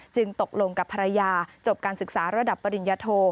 ตกลงกับภรรยาจบการศึกษาระดับปริญญาโท